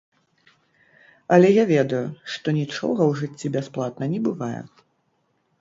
Але я ведаю, што нічога ў жыцці бясплатна не бывае.